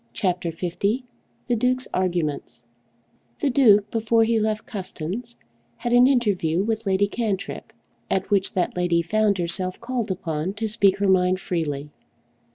CHAPTER L The Duke's Arguments The Duke before he left Custins had an interview with Lady Cantrip, at which that lady found herself called upon to speak her mind freely.